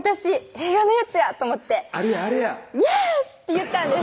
映画のやつやと思って「イエース！」って言ったんです